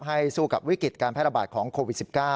สู้กับวิกฤตการแพร่ระบาดของโควิด๑๙